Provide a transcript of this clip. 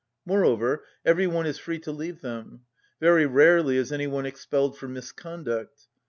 Moreover, every one is free to leave them; very rarely is any one expelled for misconduct.